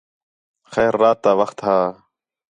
خیر رات تا وخت ہا